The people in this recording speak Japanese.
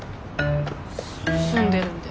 住んでるんで。